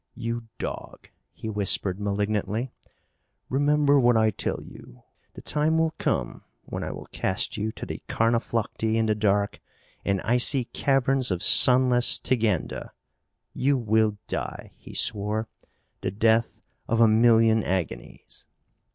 "You dog," he whispered malignantly, "remember what I tell you! The time will come when I will cast you to the carnaphlocti in the dark and icy caverns of sunless Tiganda. You will die," he swore, "the death of a million agonies!"